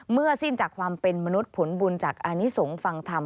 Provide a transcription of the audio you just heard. สิ้นจากความเป็นมนุษย์ผลบุญจากอานิสงฆ์ฟังธรรม